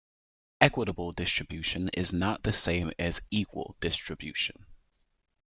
Equitable distribution is not the same as equal distribution.